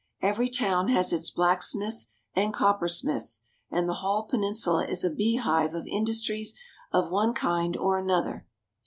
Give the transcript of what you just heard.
Every town has its blacksmiths and coppersmiths, and the whole peninsula is a beehive of industries of one kind or another.